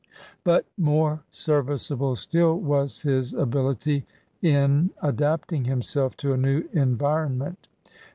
But more serviceable still was his ability in adapting himself to a new environment.